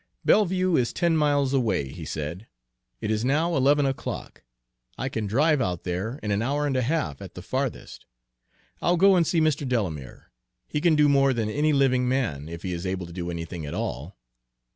"Belleview is ten miles away," he said. "It is now eleven o'clock. I can drive out there in an hour and a half at the farthest. I'll go and see Mr. Delamere, he can do more than any living man, if he is able to do anything at all.